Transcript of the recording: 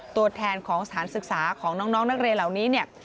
ตัวแทนของสถานศึกษาของน้องนักเรียนเหล่านี้เนี่ย